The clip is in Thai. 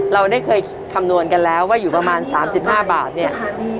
เราได้เคยคำนวณกันแล้วว่าอยู่ประมาณ๓๕บาทเนี่ย